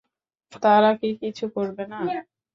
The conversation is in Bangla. তারা কি কিছু করবে না?